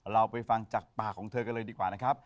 เราไปฟังจากปากของเธอกันเลยดีกว่านะครับ